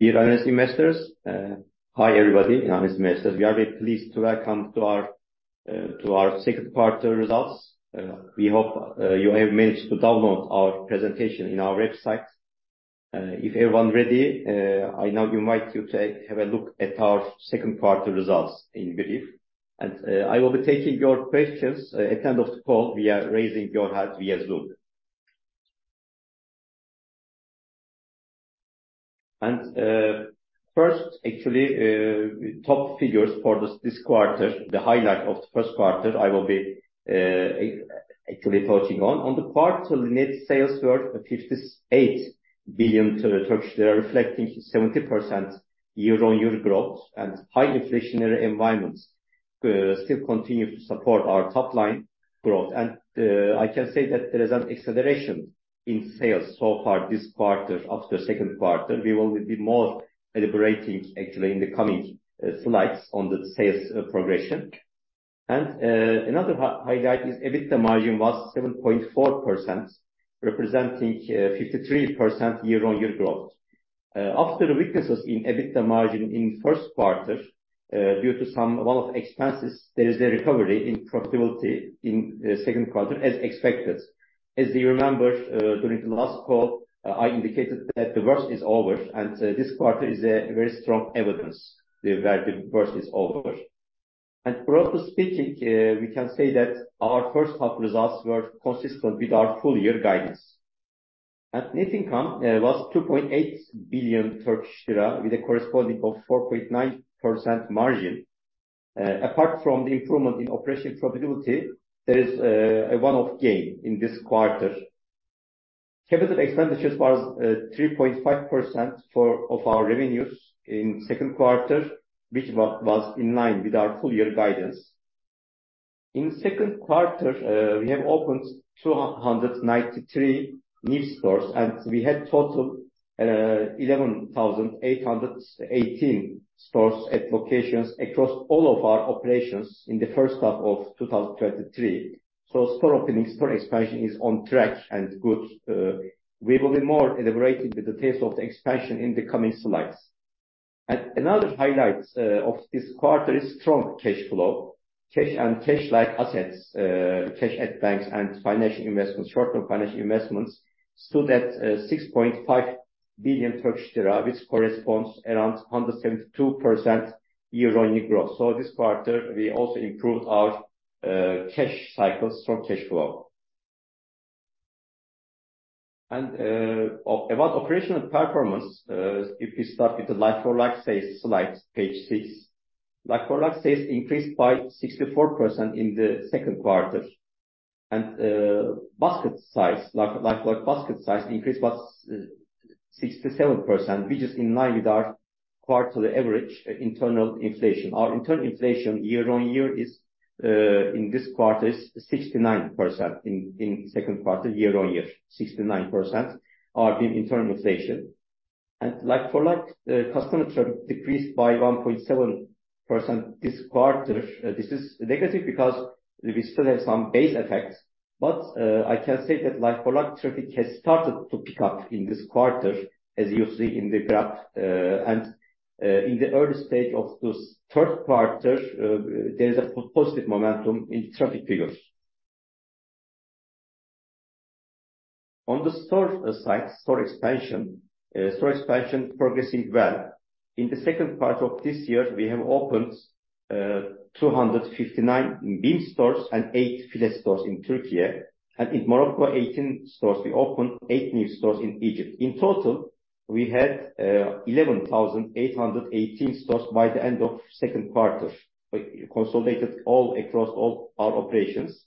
Dear investors, hi everybody, investors. We are very pleased to welcome to our second quarter results. We hope you have managed to download our presentation in our website. If everyone ready, I now invite you to have a look at our second quarter results in brief. I will be taking your questions at end of the call, via raising your hand via Zoom. First, actually, top figures for this, this quarter, the highlight of the first quarter, I will be actually touching on. On the quarter, net sales were 58 billion Turkish lira, reflecting 70% year-on-year growth and high inflationary environments still continue to support our top line growth. I can say that there is an acceleration in sales so far this quarter. After the second quarter, we will be more elaborating actually in the coming slides on the sales progression. Another highlight is EBITDA margin was 7.4%, representing 53% year-on-year growth. After the weaknesses in EBITDA margin in first quarter, due to some one-off expenses, there is a recovery in profitability in the second quarter, as expected. As you remember, during the last call, I indicated that the worst is over, and this quarter is a very strong evidence that the worst is over. Broadly speaking, we can say that our first half results were consistent with our full year guidance. Net income was 2.8 billion Turkish lira, with a corresponding of 4.9% margin. Apart from the improvement in operational profitability, there is a one-off gain in this quarter. Capital expenditures was 3.5% of our revenues in second quarter, which was in line with our full year guidance. In second quarter, we have opened 293 new stores, and we had total 11,818 stores at locations across all of our operations in the first half of 2023. Store opening, store expansion is on track and good. We will be more elaborating with the pace of the expansion in the coming slides. Another highlight of this quarter is strong cash flow. Cash and cash-like assets, cash at banks and financial investments, short-term financial investments, stood at 6.5 billion Turkish lira, which corresponds around 172% year-on-year growth. This quarter, we also improved our cash cycles from cash flow. About operational performance, if we start with the like-for-like sales slide, page 6. Like-for-like sales increased by 64% in the second quarter. Basket size, like-for-like basket size increase was 67%, which is in line with our quarterly average internal inflation. Our internal inflation year-on-year is in this quarter, is 69%. In second quarter, year-on-year, 69% are in internal inflation. Like-for-like customer traffic decreased by 1.7% this quarter. This is negative because we still have some base effects, but I can say that like-for-like traffic has started to pick up in this quarter, as you see in the graph. In the early stage of the third quarter, there is a positive momentum in traffic figures. On the store side, store expansion. Store expansion progressing well. In the second part of this year, we have opened 259 BiM stores and 8 File stores in Turkey. In Morocco, 18 stores. We opened 8 new stores in Egypt. In total, we had 11,818 stores by the end of second quarter, consolidated all across all our operations.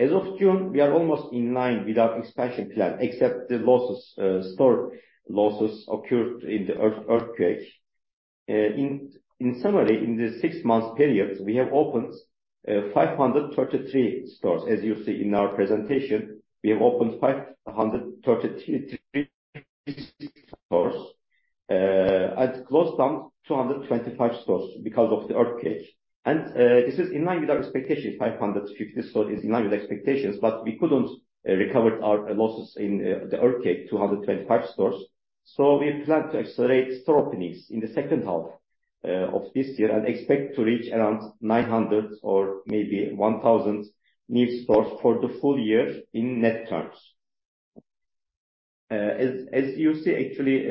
As of June, we are almost in line with our expansion plan, except the losses, store losses occurred in the earthquake. In summary, in the 6 months period, we have opened 533 stores. As you see in our presentation, we have opened 533 stores and closed down 225 stores because of the earthquake. This is in line with our expectations. 550 stores is in line with expectations, we couldn't recover our losses in the earthquake, 225 stores. We plan to accelerate store openings in the second half of this year and expect to reach around 900 or maybe 1,000 new stores for the full year in net terms. As you see, actually,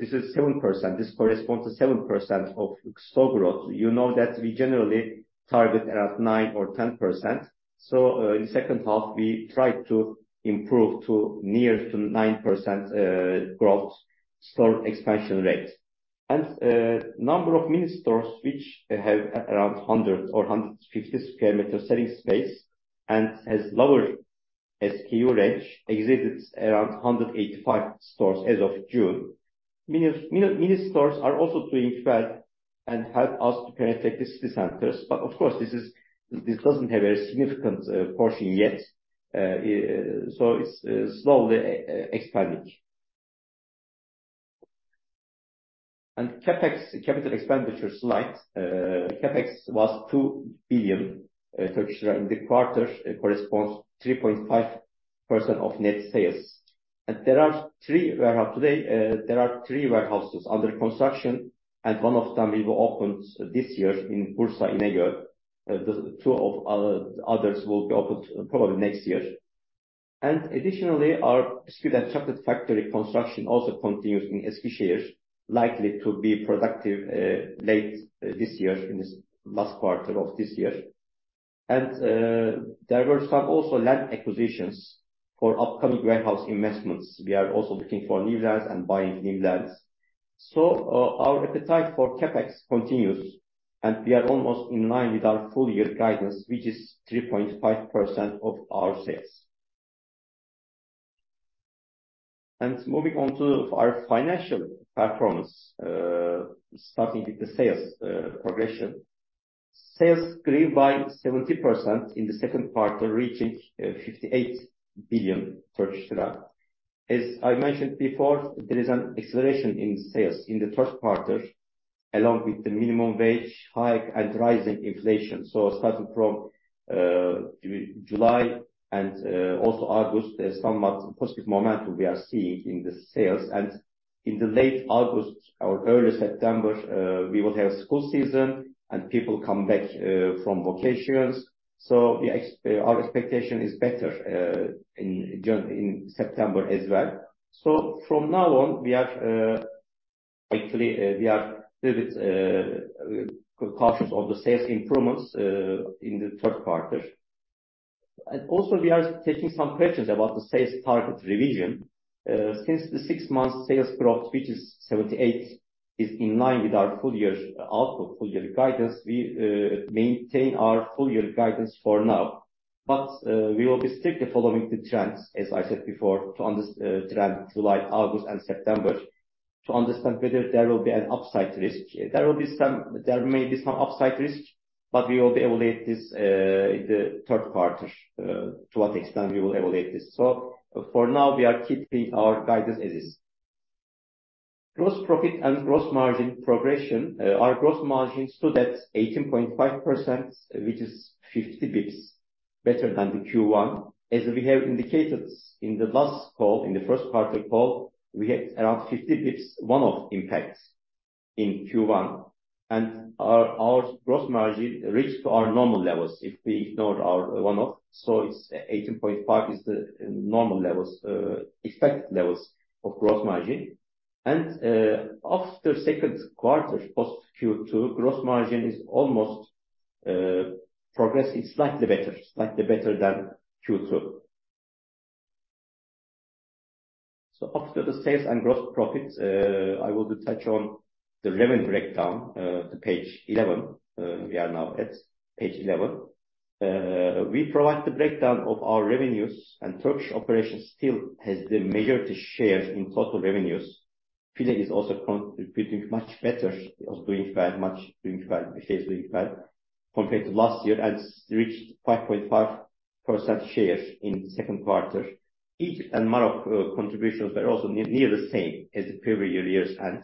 this is 7%. This corresponds to 7% of store growth. You know that we generally target around 9% or 10%. In second half, we try to improve to near to 9% growth store expansion rate. Number of mini stores, which have around 100 or 150 sq meter selling space and has lower SKU range, exceeded around 185 stores as of June. Mini, mini stores are also doing well and help us to penetrate the city centers. Of course, this doesn't have a significant portion yet, so it's slowly expanding. CapEx, capital expenditures slide. CapEx was two billion Turkish lira in the quarter. It corresponds 3.5% of net sales. There are three warehouses under construction, and 1 of them will be opened this year in Bursa, inegöl. The two of others will be opened probably next year. Additionally, our biscuit and chocolate factory construction also continues in Eskiehir, likely to be productive late this year, in this last quarter of this year. There were some also land acquisitions for upcoming warehouse investments. We are also looking for new lands and buying new lands. Our appetite for CapEx continues, and we are almost in line with our full year guidance, which is 3.5% of our sales. Moving on to our financial performance, starting with the sales progression. Sales grew by 70% in the second quarter, reaching 58 billion Turkish lira. As I mentioned before, there is an acceleration in sales in the third quarter, along with the minimum wage hike and rising inflation. Starting from July and also August, there's somewhat positive momentum we are seeing in the sales. In the late August or early September, we will have school season and people come back from vacations. The our expectation is better in September as well. From now on, we are actually, we are little bit cautious of the sales improvements in the third quarter. Also we are taking some questions about the sales target revision. Since the 6-month sales growth, which is 78, is in line with our full year output, full year guidance, we maintain our full year guidance for now. We will be strictly following the trends, as I said before, to trend July, August and September, to understand whether there will be an upside risk. There may be some upside risk, but we will evaluate this in the third quarter to what extent we will evaluate this. For now, we are keeping our guidance as is. Gross profit and gross margin progression. Our gross margin stood at 18.5%, which is 50 basis points better than the Q1. As we have indicated in the last call, in the first quarter call, we had around 50 basis points, one-off impact in Q1, and our, our gross margin reached to our normal levels if we ignored our one-off. It's 18.5 is the normal levels, expected levels of gross margin. After second quarter, post Q2, gross margin is almost progressing slightly better, slightly better than Q2. After the sales and gross profits, I will touch on the revenue breakdown to page 11. We are now at page 11. We provide the breakdown of our revenues, and Turkish operations still has the majority shares in total revenues. Philippines is also doing much better, also doing well, much doing well, the sales doing well compared to last year, and reached 5.5% share in the second quarter. Egypt and Maroc contributions were also near the same as the previous year's end.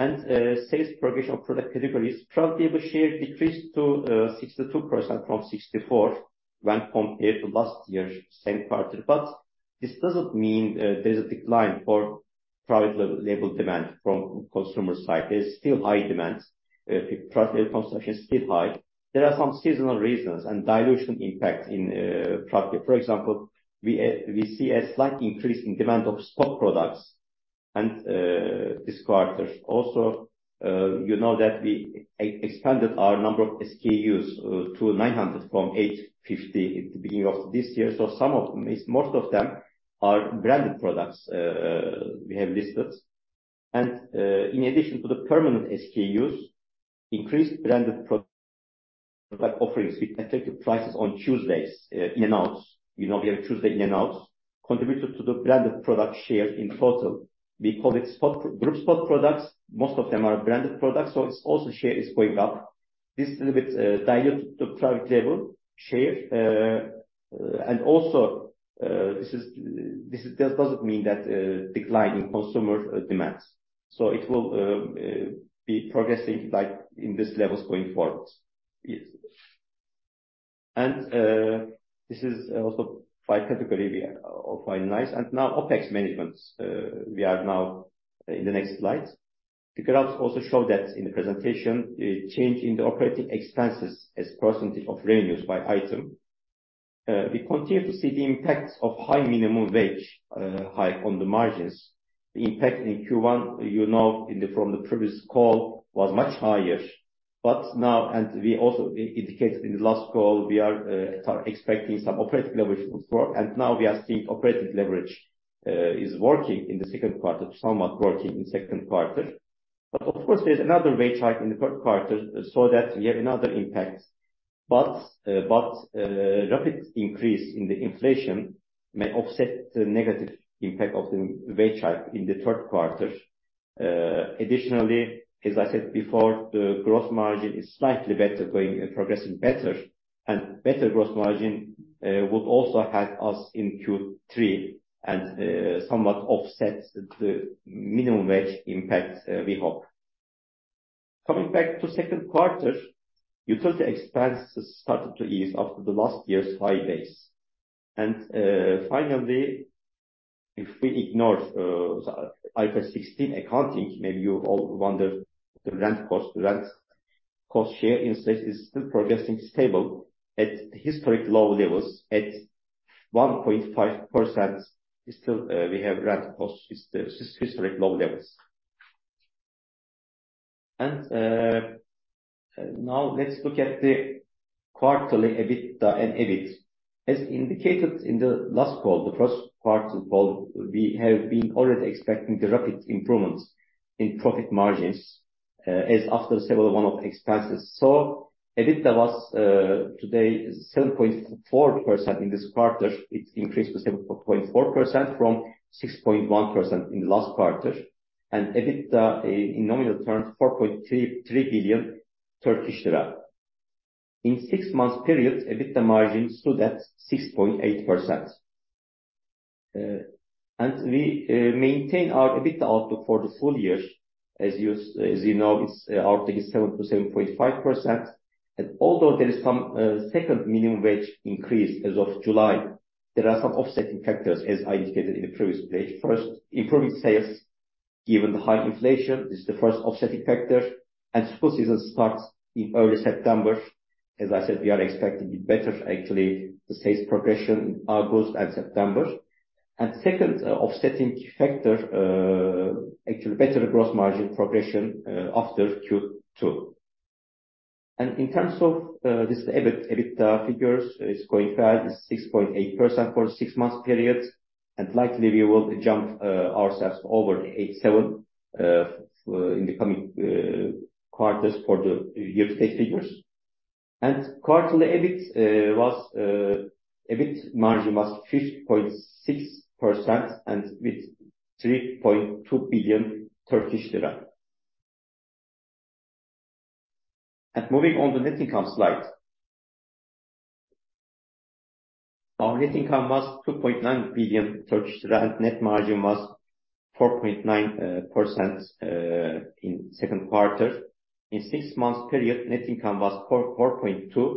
Sales progression of product categories. Private label share decreased to 62% from 64 when compared to last year's same quarter. This doesn't mean there is a decline for private label demand from consumer side. There's still high demand. Private label consumption is still high. There are some seasonal reasons and dilution impact in private label. For example, we see a slight increase in demand of spot products and this quarter. Also, you know that we expanded our number of SKUs to 900 from 850 at the beginning of this year. Some of them, most of them are branded products we have listed. In addition to the permanent SKUs, increased branded product offerings with effective prices on Tuesdays, in-and-outs. You know, we have Tuesday in-and-outs, contributed to the branded product share in total. We call it group spot products. Most of them are branded products, so it's also share is going up. This little bit diluted the private label share. Also, this is just doesn't mean that decline in consumer demands. It will be progressing like in this levels going forward. Yes. This is also by category, we are off by nice. Now OpEx management. We are now in the next slide. The graphs also show that in the presentation, the change in the operating expenses as percentage of revenues by item. We continue to see the impact of high minimum wage hike on the margins. The impact in Q1, you know, from the previous call was much higher. Now, and we also indicated in the last call, we are expecting some operating leverage to work, and now we are seeing operating leverage is working in the second quarter, somewhat working in second quarter. Of course, there's another wage hike in the third quarter so that we have another impact. Rapid increase in the inflation may offset the negative impact of the wage hike in the third quarter. Additionally, as I said before, the gross margin is slightly better, progressing better. Better gross margin would also help us in Q3 and somewhat offset the minimum wage impact, we hope. Coming back to second quarter, utility expenses started to ease after the last year's high base. Finally, if we ignore IFRS 16 accounting, maybe you all wonder the rent cost. Rent cost share in sales is still progressing stable at historic low levels at 1.5% is still, we have rent costs is the historic low levels. Now let's look at the quarterly EBITDA and EBIT. As indicated in the last call, the first quarter call, we have been already expecting the rapid improvements in profit margins as after several one-off expenses. EBITDA was today 7.4% in this quarter. It increased to 7.4% from 6.1% in the last quarter. EBITDA in nominal terms, 4.3 billion Turkish lira. In six months period, EBITDA margin stood at 6.8%. We maintain our EBITDA outlook for the full year. As you, as you know, its outlook is 7%-7.5%, although there is some second minimum wage increase as of July, there are some offsetting factors, as I indicated in the previous page. First, improving sales, given the high inflation, is the first offsetting factor. School season starts in early September. As I said, we are expecting better actually the sales progression in August and September. Second offsetting factor, actually better gross margin progression after Q2. In terms of this EBIT, EBITDA figures, it's going well, it's 6.8% for the 6-month period, and likely we will jump ourselves over 7 in the coming quarters for the year-to-date figures. Quarterly EBIT was EBIT margin was 5.6% with Turkish lira 3.2 billion. Moving on the net income slide. Our net income was Turkish lira 2.9 billion, and net margin was 4.9% in second quarter. In 6-month period, net income was Turkish lira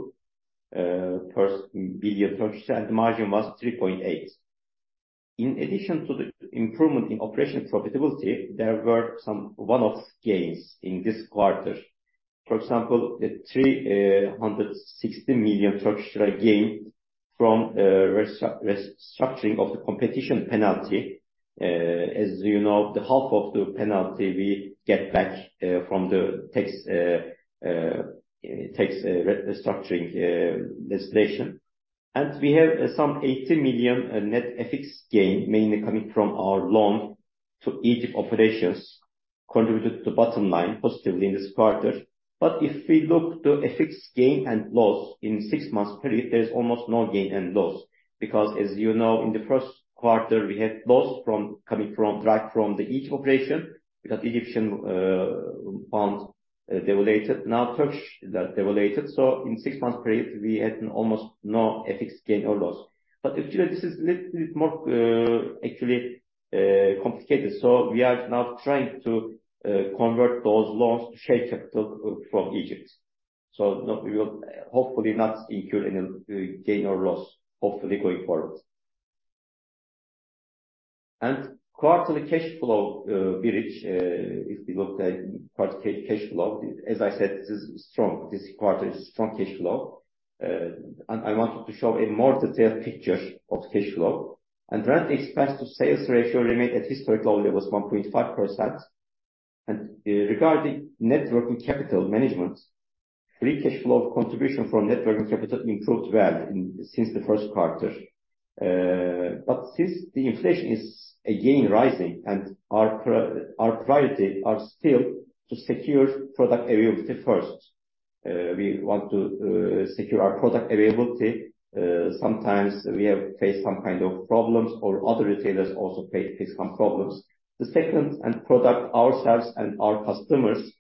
4.2 billion, and the margin was 3.8%. In addition to the improvement in operational profitability, there were some one-off gains in this quarter. For example, the 360 million Turkish lira gain from restructuring of the competition penalty. As you know, the half of the penalty we get back from the tax restructuring legislation. We have some 80 million net FX gain, mainly coming from our loan to Egypt operations, contributed to the bottom line positively in this quarter. If we look the FX gain and loss in 6 months period, there's almost no gain and loss. As you know, in the first quarter, we had loss from coming from, direct from the Egypt operation because Egyptian pound devalued, now Turkish lira devalued. In 6 months period, we had almost no FX gain or loss. Actually, this is little bit more, actually, complicated. We are now trying to convert those loans to share capital from Egypt. No, we will hopefully not incur any gain or loss, hopefully going forward. Quarterly cash flow bridge, if we look at quarterly cash flow, as I said, this is strong. This quarter is strong cash flow. I wanted to show a more detailed picture of cash flow. Rent expense to sales ratio remained at historic low levels, 1.5%. Regarding net working capital management, free cash flow contribution from net working capital improved well since the first quarter. Since the inflation is again rising and our priority are still to secure product availability first, we want to secure our product availability. Sometimes we have faced some kind of problems or other retailers also face, face some problems. The second, and protect ourselves and our customers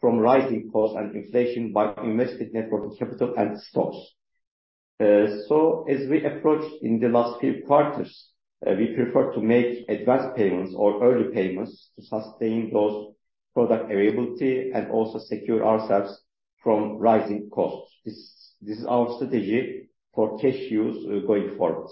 from rising costs and inflation by investing net working capital and stocks. So as we approach in the last few quarters, we prefer to make advanced payments or early payments to sustain those product availability and also secure ourselves from rising costs. This, this is our strategy for cash use going forward.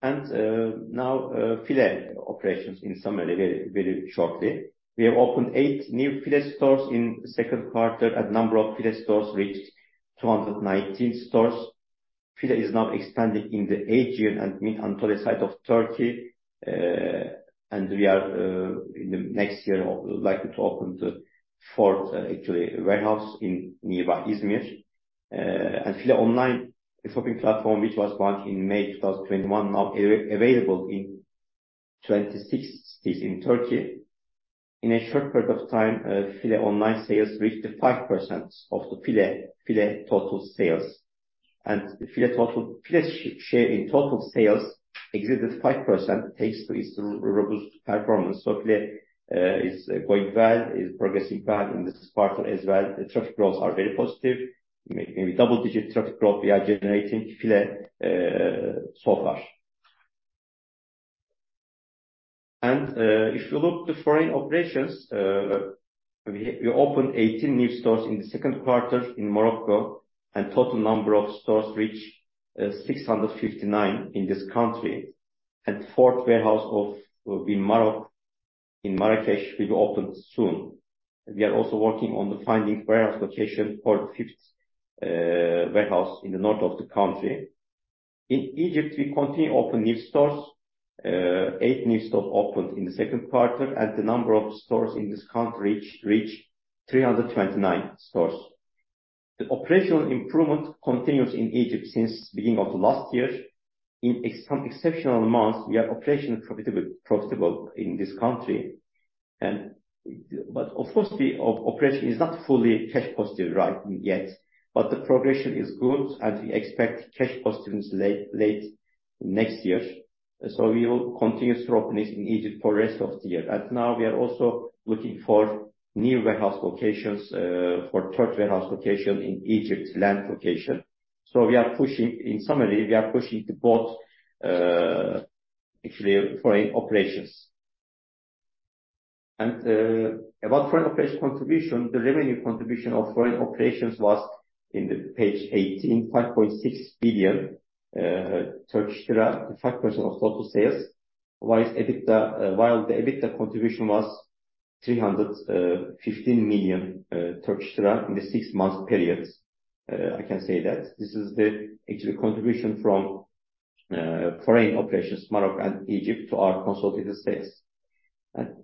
And now, File operations in summary, very, very shortly. We have opened 8 new File stores in the second quarter, and number of File stores reached 219 stores. File is now expanding in the Aegean and Mid-Anatolia side of Turkey, and we are in the next year, likely to open the fourth, actually warehouse in nearby izmir. File online shopping platform, which was launched in May 2021, now available in 26 cities in Turkey. In a short period of time, File online sales reached the 5% of the File total sales. File share in total sales exceeded 5%, thanks to its robust performance. So File is going well, is progressing well in this quarter as well. The traffic growth are very positive, maybe double-digit traffic growth we are generating File so far. If you look the foreign operations, we opened 18 new stores in the second quarter in Morocco, and total number of stores reached 659 in this country. fourth warehouse of in Maroc, in Marrakech, will be opened soon. We are also working on the finding warehouse location for the fifth warehouse in the north of the country. In Egypt, we continue to open new stores. Eight new stores opened in the second quarter, and the number of stores in this country reach, reach 329 stores. The operational improvement continues in Egypt since beginning of the last year. In some exceptional months, we are operationally profitable, profitable in this country. But of course, the operation is not fully cash positive right yet, but the progression is good, and we expect cash positive late, late next year. We will continue to open in Egypt for the rest of the year. Now we are also looking for new warehouse locations for third warehouse location in Egypt, land location. We are pushing... In summary, we are pushing to both, actually foreign operations. About foreign operations contribution, the revenue contribution of foreign operations was in the page 18, 5.6 billion Turkish lira, 5% of total sales. While EBITDA, while the EBITDA contribution was 315 million Turkish lira in the 6-month period. I can say that this is the actually contribution from, foreign operations, Morocco and Egypt, to our consolidated sales.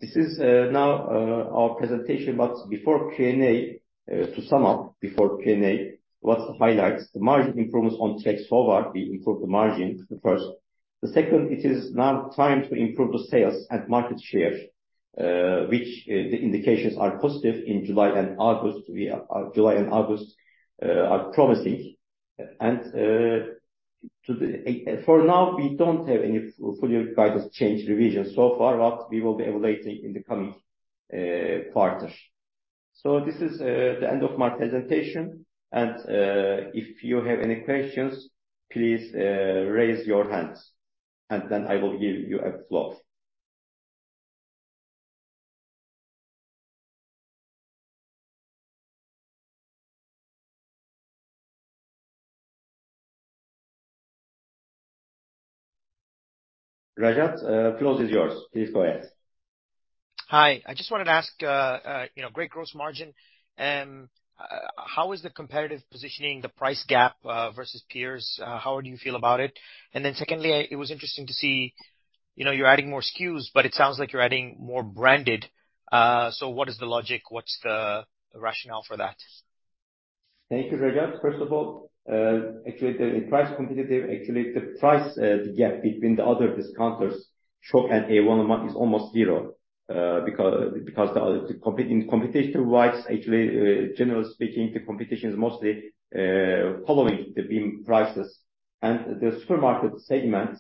This is, now, our presentation. Before Q&A, to sum up, before Q&A, what's the highlights? The margin improvement on track so far, we improved the margin, the first. The second, it is now time to improve the sales and market share, which, the indications are positive in July and August. July and August are promising. To the... For now, we don't have any full-year guidance change revisions so far, but we will be evaluating in the coming quarters. This is the end of my presentation. If you have any questions, please raise your hands, and then I will give you a floor. Rajat, floor is yours. Please go ahead. Hi. I just wanted to ask, you know, great gross margin. How is the competitive positioning, the price gap, versus peers? How do you feel about it? Then secondly, it was interesting to see, you know, you're adding more SKUs, but it sounds like you're adding more branded. What is the logic? What's the rationale for that? Thank you, Rajat. First of all, actually, the price, the gap between the other discounters, Şok and A101, is almost zero. Because the other competition-wise, actually, generally speaking, the competition is mostly following the BİM prices. The supermarket segment,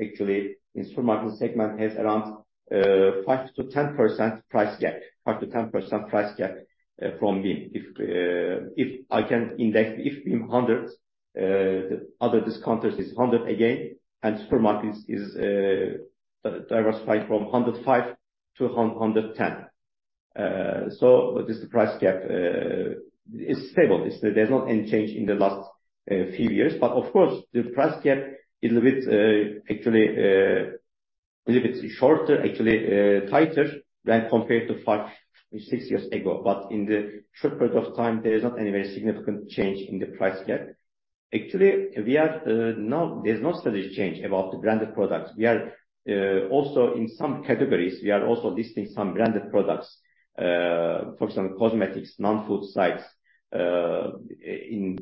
actually, the supermarket segment has around 5%-10% price gap, 5%-10% price gap from BİM. If, if I can index, if BİM 100, the other discounters is 100 again, and supermarkets is diversified from 105-110. This is the price gap. It's stable. It's there's not any change in the last few years, but of course, the price gap is a bit, actually, a little bit shorter, actually, tighter than compared to 5, 6 years ago. In the short period of time, there is not any very significant change in the price gap. Actually, we are, no-- there's no strategy change about the branded products. We are also in some categories, we are also listing some branded products. For example, cosmetics, non-food sites, in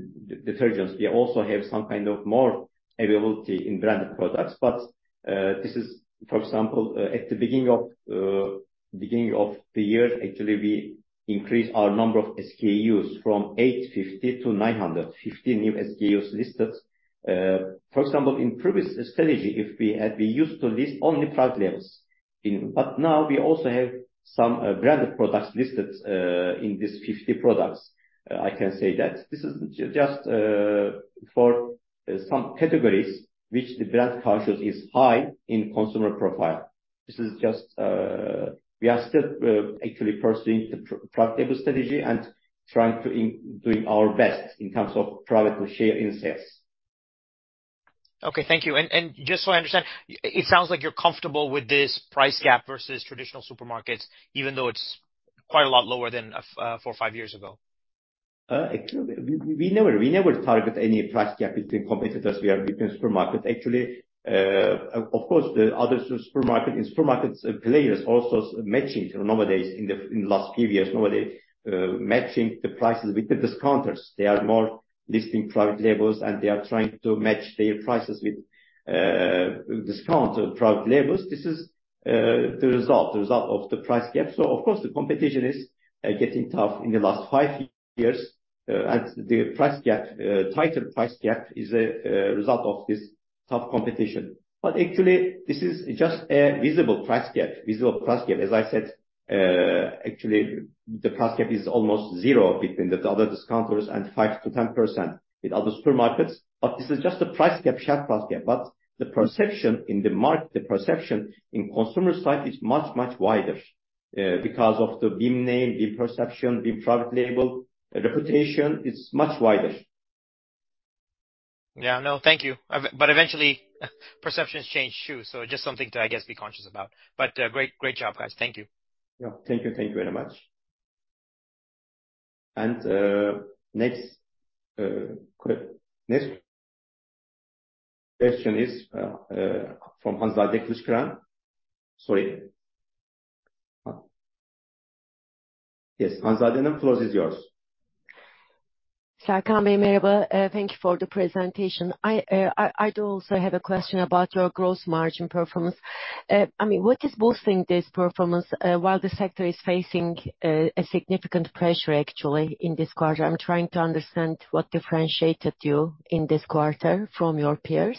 detergents. We also have some kind of more availability in branded products, but this is... For example, at the beginning of, beginning of the year, actually, we increased our number of SKUs from 850 to 900, 50 new SKUs listed. For example, in previous strategy, if we had, we used to list only private labels in- but now we also have some branded products listed in these 50 products. I can say that this is just for some categories which the brand conscious is high in consumer profile. This is just. We are still actually pursuing the private label strategy and trying to doing our best in terms of private label share in sales. Okay, thank you. just so I understand, it sounds like you're comfortable with this price gap versus traditional supermarkets, even though it's quite a lot lower than four, five years ago? Actually, we, we never, we never target any price gap between competitors. We are between supermarket, actually. Of course, the other supermarket, in supermarket players also matching nowadays, in the, in the last few years, nobody, matching the prices with the discounters. They are more listing private labels, and they are trying to match their prices with discount private labels. This is the result, the result of the price gap. Of course, the competition is getting tough in the last five years, and the price gap, tighter price gap is a result of this tough competition. Actually, this is just a visible price gap, visible price gap. As I said, actually, the price gap is almost 0 between the other discounters and 5%-10% with other supermarkets, but this is just a price gap, sharp price gap. The perception in the market, the perception in consumer side is much, much wider. Because of the BiM name, BiM perception, BiM private label, the reputation is much wider. Yeah, no, thank you. Eventually, perceptions change, too, so just something to, I guess, be conscious about. Great, great job, guys. Thank you. Yeah. Thank you. Thank you very much. Next question is from Hanzade Kurşun. Sorry. Yes, Hanzade, the floor is yours. Serkan Bey, merhaba. Thank you for the presentation. I, I, I do also have a question about your gross margin performance. I mean, what is boosting this performance, while the sector is facing a significant pressure actually in this quarter? I'm trying to understand what differentiated you in this quarter from your peers.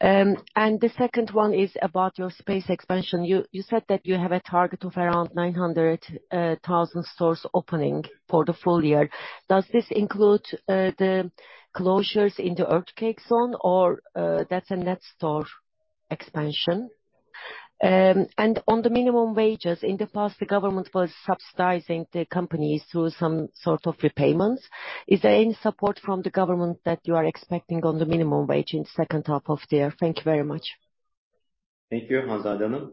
And the second one is about your space expansion. You, you said that you have a target of around 900,000 stores opening for the full year. Does this include the closures in the earthquake zone, or that's a net store expansion? And on the minimum wages, in the past, the government was subsidizing the companies through some sort of repayments. Is there any support from the government that you are expecting on the minimum wage in second half of the year? Thank you very much. Thank you, Hanzade Hanım.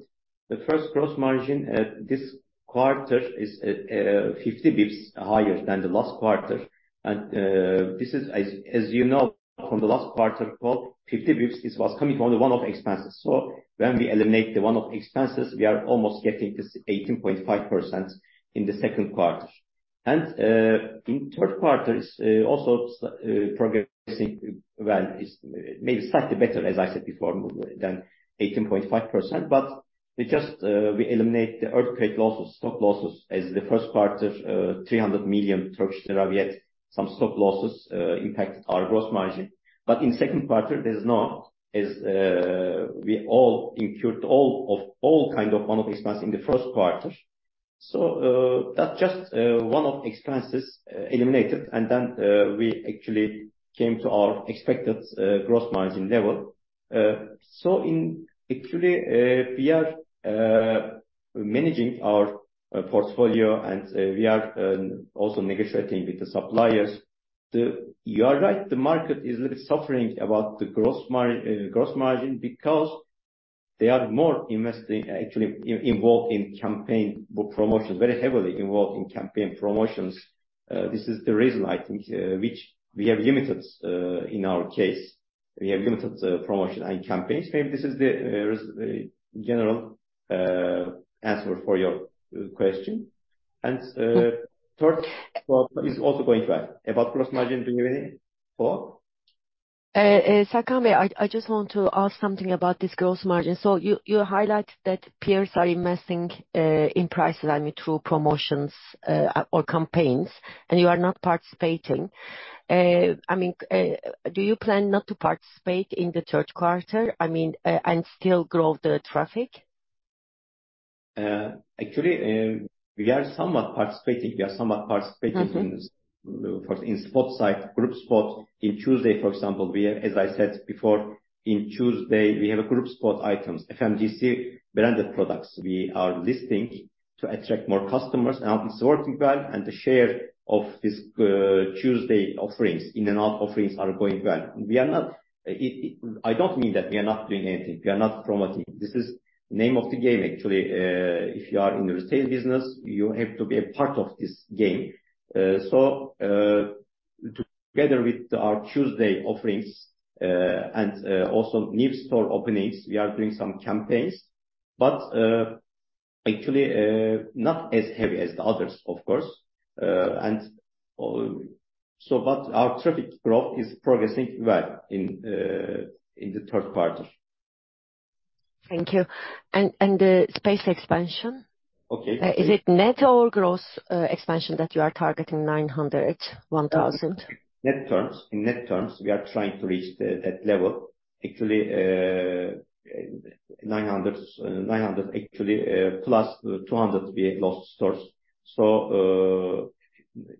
The first gross margin at this quarter is 50 basis points higher than the last quarter. This is as, as you know, from the last quarter, called 50 basis points, this was coming from the one-off expenses. So when we eliminate the one-off expenses, we are almost getting this 18.5% in the second quarter. In the third quarter is also progressing well, is maybe slightly better, as I said before, than 18.5%. But we just, we eliminate the earthquake losses, stock losses as the first quarter, 300 million Turkish lira, we had some stock losses, impacted our gross margin. But in second quarter, there's no. As we all incurred all kind of one-off expense in the first quarter. That's just one-off expenses eliminated, we actually came to our expected gross margin level. In actually, we are managing our portfolio, we are also negotiating with the suppliers. You are right, the market is a little suffering about the gross margin, gross margin, because they are more investing, actually, in, involved in campaign promotions, very heavily involved in campaign promotions. This is the reason, I think, which we have limited, in our case, we have limited promotion and campaigns. Maybe this is the general answer for your question. Third one is also going well. About gross margin, do you have any follow-up? Serkan Bey, I, I just want to ask something about this gross margin. You, you highlight that peers are investing in prices, I mean, through promotions or campaigns, and you are not participating. I mean, do you plan not to participate in the third quarter, I mean, and still grow the traffic? Actually, we are somewhat participating. Mm-hmm. in this, for in spot site, Group Spot. In Tuesday, for example, we have, as I said before, in Tuesday, we have Group Spot items, FMCG branded products. We are listing to attract more customers, and it's working well, and the share of this Tuesday offerings, in-and-out offerings are going well. We are not... I don't mean that we are not doing anything, we are not promoting. This is name of the game, actually. If you are in the retail business, you have to be a part of this game. Together with our Tuesday offerings, and also new store openings, we are doing some campaigns, but actually, not as heavy as the others, of course. But our traffic growth is progressing well in the third quarter. Thank you. And the space expansion? Okay. Is it net or gross expansion that you are targeting 900, 1,000? Net terms. In net terms, we are trying to reach the, that level. Actually, 900, 900 actually, plus 200 we lost stores.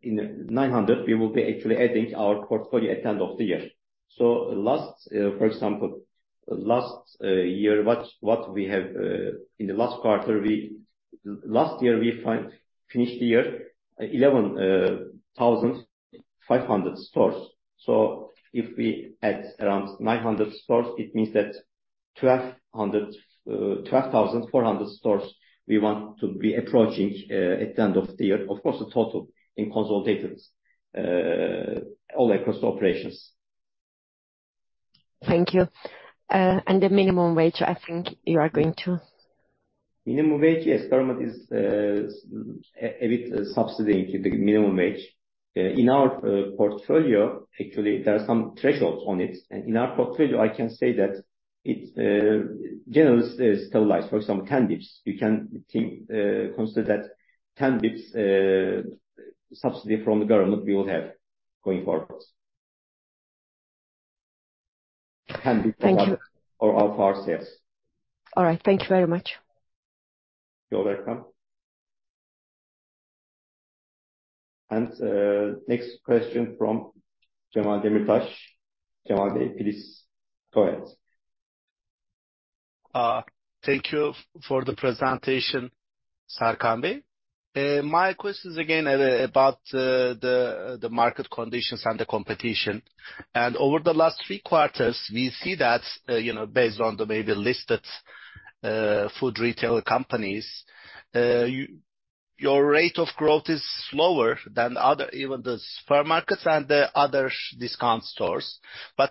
In 900, we will be actually adding our portfolio at the end of the year. Last, for example, last year, what, what we have, in the last quarter. Last year, we finished the year 11,500 stores. If we add around 900 stores, it means that 1,200, 12,400 stores we want to be approaching, at the end of the year. Of course, the total in consolidators, all across operations. Thank you. The minimum wage, I think you are going to? Minimum wage, yes, government is a bit subsidizing the minimum wage. In our portfolio, actually, there are some thresholds on it, and in our portfolio, I can say that it's generally is stabilized. For example, 10 BIPS, you can think, consider that 10 BIPS, subsidy from the government we will have going forward. 10 bps- Thank you. or all of our sales. All right. Thank you very much. You're welcome. Next question from Cemal Demirtaş. Cemal, please go ahead. Thank you for the presentation, Serkan Bey. My question is again about the market conditions and the competition. Over the last three quarters, we see that, you know, based on the maybe listed food retailer companies, your rate of growth is slower than other, even the supermarkets and the other discount stores.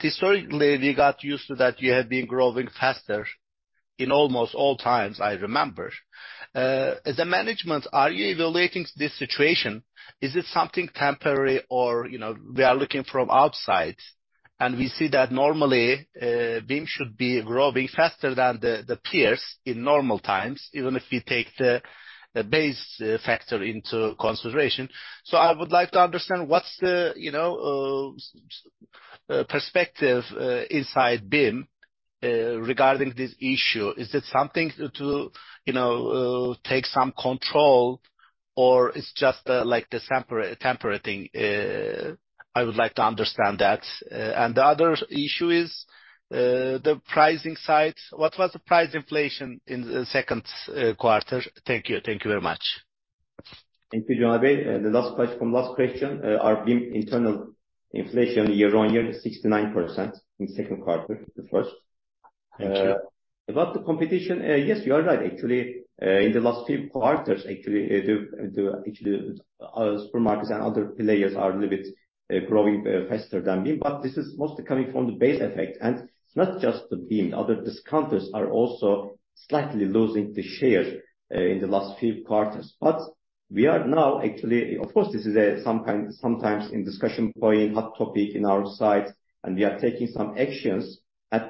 Historically, we got used to that you have been growing faster in almost all times, I remember. As a management, are you evaluating this situation? Is it something temporary or, you know, we are looking from outside, and we see that normally, BİM should be growing faster than the peers in normal times, even if you take the base factor into consideration. I would like to understand what's the, you know, perspective inside BİM regarding this issue. Is it something to, to, you know, take some control, or it's just like the temporary thing? I would like to understand that. The other issue is the pricing side. What was the price inflation in the Q2? Thank you. Thank you very much. Thank you, Cemal. The last last question, our BİM internal inflation year-on-year is 69% in the second quarter to the first. Thank you. About the competition, yes, you are right. Actually, in the last few quarters, actually, the, the, actually, supermarkets and other players are a little bit growing faster than BİM, but this is mostly coming from the base effect. It's not just the BİM, other discounters are also slightly losing the share in the last few quarters. We are now actually... Of course, this is a sometime- sometimes in discussion point, hot topic in our side, and we are taking some actions.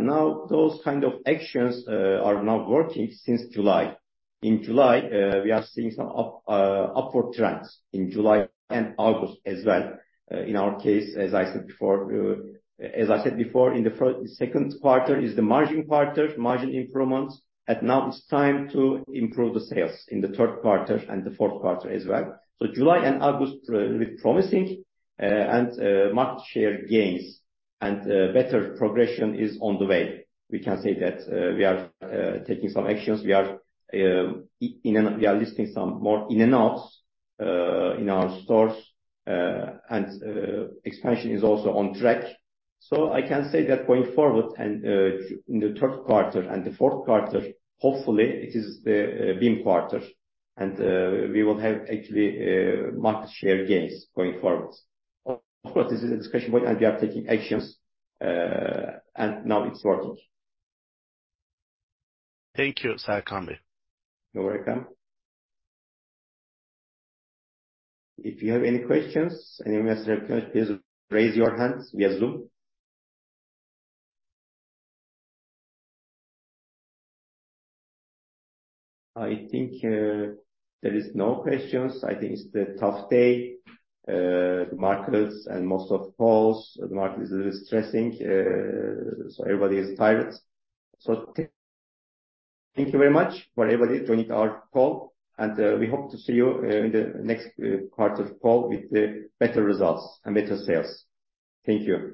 Now those kind of actions are now working since July. In July, we are seeing some up, upward trends in July and August as well. In our case, as I said before, as I said before, in the first... second quarter is the margin quarter, margin improvements, and now it's time to improve the sales in the third quarter and the fourth quarter as well. July and August, with promising, and market share gains and better progression is on the way. We can say that we are taking some actions. We are listing some more in and outs in our stores, and expansion is also on track. I can say that going forward and in the third quarter and the fourth quarter, hopefully it is the BİM quarter, and we will have actually market share gains going forward. Of course, this is a discussion point, and we are taking actions, and now it's working. Thank you, Serkan Bey. You're welcome. If you have any questions, any investor questions, please raise your hands via Zoom. I think there is no questions. I think it's the tough day. The markets and most of the calls, the market is a little stressing, so everybody is tired. Thank you very much for everybody joining our call, and we hope to see you in the next quarter call with the better results and better sales. Thank you.